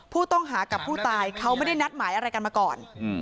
ผู้ต้องหากับผู้ตายเขาไม่ได้นัดหมายอะไรกันมาก่อน